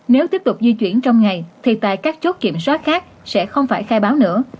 nếu tiếp tục di chuyển trong ngày thì tại các chốt kiểm soát khác sẽ không phải khai báo nữa